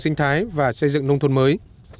sinh thái và xây dựng nông thuật mới